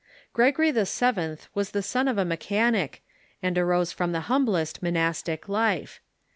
Gregory VII. Avas the son of a mechanic, and arose from the humblest monastic life.